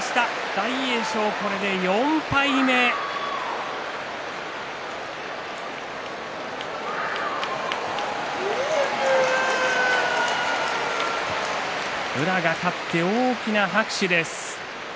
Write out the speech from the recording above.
大栄翔、これで４敗目宇良が勝って大きな拍手です。